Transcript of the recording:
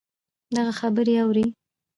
دغـه خبـرې اورې